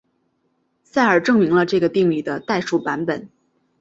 塞尔证明了这个定理的代数版本。